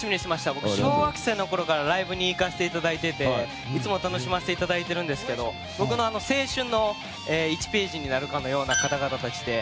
僕、小学生のころからライブに行かせていただいていていつも楽しませていただいているんですけど僕の青春の１ページになるかのような方々たちで。